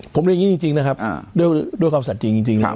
ผมเรียกอย่างงี้จริงจริงนะครับอ่าด้วยด้วยความสัจจริงจริงจริงนะครับ